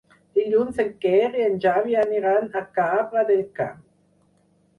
Dilluns en Quer i en Xavi aniran a Cabra del Camp.